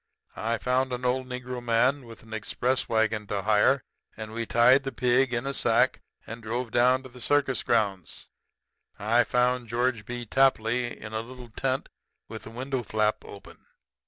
I found an old Negro man with an express wagon to hire; and we tied the pig in a sack and drove down to the circus grounds. "I found George B. Tapley in a little tent with a window flap open.